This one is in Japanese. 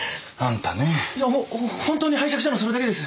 ほ本当に拝借したのはそれだけです！